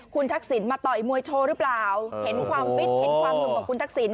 คุณทักษิณมาต่อยมวยโชว์หรือเปล่าเห็นความฟิตเห็นความหนุ่มของคุณทักษิณ